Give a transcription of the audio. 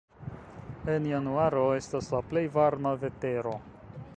En januaro estas la plej varma vetero.